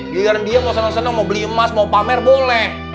giliran dia mau senang senang mau beli emas mau pamer boleh